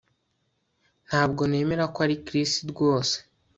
Ntabwo nemera ko ari Chris rwose